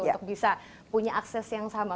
untuk bisa punya akses yang sama